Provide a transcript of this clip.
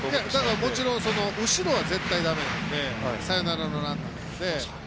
もちろん後ろは絶対だめなのでサヨナラのランナーなので。